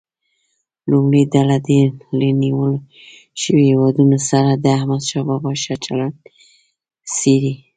لومړۍ ډله دې له نیول شویو هیوادونو سره د احمدشاه بابا ښه چلند څېړي.